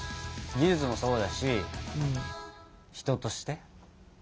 技術もそうだし人として？